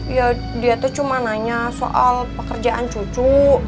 ya dia tuh cuma nanya soal pekerjaan cucu